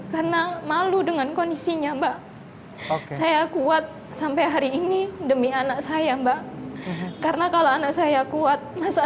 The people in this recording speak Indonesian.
karena malu dengan kondisinya mbak saya kuat sampai hari ini demi anak saya mbak karena kalau anak saya kuat masa